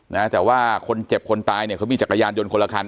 นะแต่ว่าคนเจ็บคนตายเนี่ยเขามีจักรยานยนต์คนละคัน